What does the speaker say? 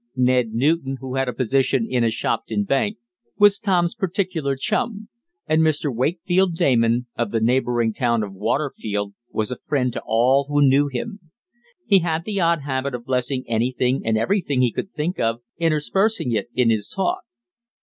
Ned Newton who had a position in a Shopton bank, was Tom's particular chum, and Mr. Wakefeld Damon, of the neighboring town of Waterfield, was a friend to all who knew him. He had the odd habit of blessing anything and everything he could think of, interspersing it in his talk.